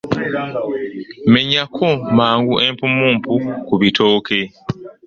Menyako mangu empumumpu ku bitooke.